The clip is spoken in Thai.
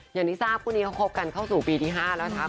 อย่างที่ทราบคู่นี้เขาคบกันเข้าสู่ปีที่๕แล้วนะคะ